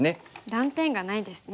断点がないですね。